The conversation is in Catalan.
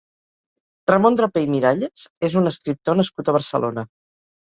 Ramón Draper i Miralles és un escriptor nascut a Barcelona.